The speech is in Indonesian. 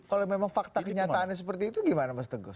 kalau memang fakta kenyataannya seperti itu gimana mas teguh